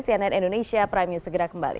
nanti setelah jeda dulu kita lanjutkan kembali